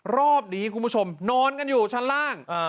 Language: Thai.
รอบนี้คุณผู้ชมนอนกันอยู่ชั้นล่าง